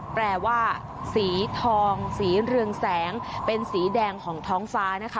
แปลว่าสีทองสีเรืองแสงเป็นสีแดงของท้องฟ้านะคะ